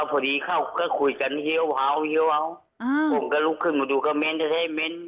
แล้วพอดีเข้าก็คุยกันเฮียวเว้าเฮียวเว้าอืมผมก็ลุกขึ้นมาดูก็เม้นเม้น